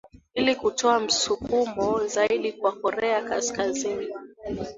ili kutoa msukumo zaidi kwa korea kaskazini